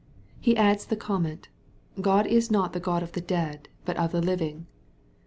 He adds the comment, " God is not the God of the dead, but of the living/M \A.